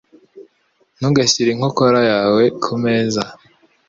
Ntugashyire inkokora yawe kumeza.